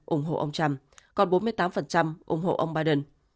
bốn mươi chín ủng hộ ông trump còn bốn mươi tám ủng hộ ông biden